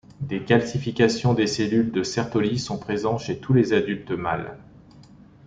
Des calcifications des cellules de Sertoli sont présents chez tous les adultes mâles.